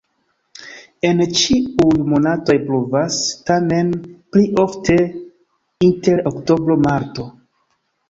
En ĉiuj monatoj pluvas, tamen pli ofte inter oktobro-marto.